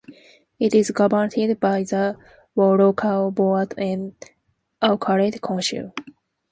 It is governed by the Whau Local Board and Auckland Council.